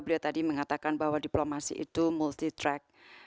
beliau tadi mengatakan bahwa diplomasi itu multi track